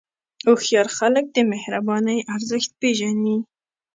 هوښیار خلک د مهربانۍ ارزښت پېژني.